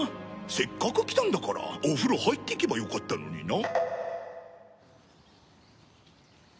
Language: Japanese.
せっかく来たんだからお風呂入ってけばよかったのにな。